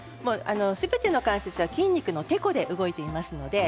すべての関節は筋肉のテコで動いています。